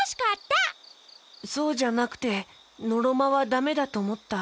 そうじゃなくてのろまはだめだとおもった？